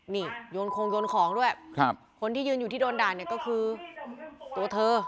นี่โยนคงโยนของด้วยคนที่ยืนอยู่ที่โดนด่าเนี่ยก็คือตัวเธอ